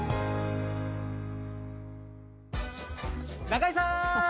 中居さん！